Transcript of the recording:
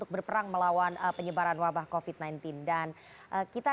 oke terima kasih sekali pak imam prasojo